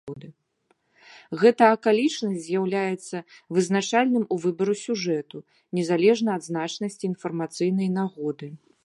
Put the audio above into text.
Гэта акалічнасць з'яўляецца вызначальным у выбары сюжэту, незалежна ад значнасці інфармацыйнай нагоды.